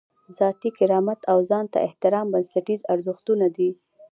ذاتي کرامت او ځان ته احترام بنسټیز ارزښتونه دي.